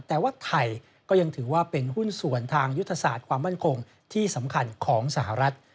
แต่ว่าไทยก็ยังถือว่าเป็นหุ้นส่วนทางยุทธศาสตร์ความมั่นคงที่สำคัญของสหรัฐ